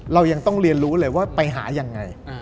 เรายังต้องเรียนรู้เลยว่าไปหายังไง